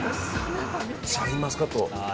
シャインマスカット。